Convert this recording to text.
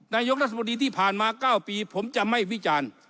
นายกรัฐมนตรีที่ผ่านมา๙ปีผมจะไม่วิจารณ์